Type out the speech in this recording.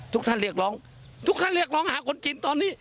ทุกท่านเรียกร้องทุกท่านเรียกร้องหาคนกินตอนนี้